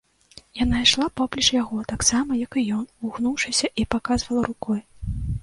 Яна ішла поплеч яго, таксама як і ён, угнуўшыся, і паказвала рукой.